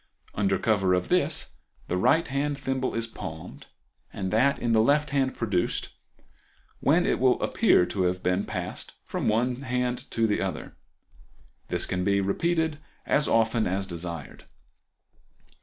Under cover of this the right hand thimble is palmed, and that in the left hand produced, when it will appear to have been passed from one hand to the other. This can be repeated as often as desired.